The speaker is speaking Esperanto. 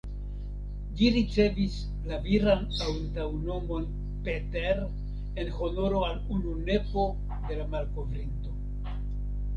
Ĝi ricevis la viran antaŭnomon ""Peter"", en honoro al unu nepo de la malkovrinto.